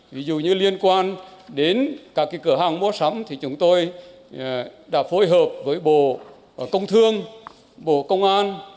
ví dụ như liên quan đến các cửa hàng mua sắm thì chúng tôi đã phối hợp với bộ công thương bộ công an